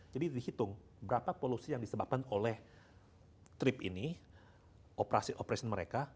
jadi dihitung berapa polusi yang disebabkan oleh trip ini operasi operasi mereka